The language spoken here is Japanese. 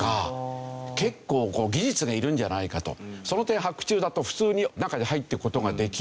その点白昼だと普通に中に入っていく事ができる。